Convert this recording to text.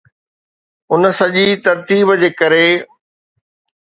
ان سڄي ترتيب جي ڪري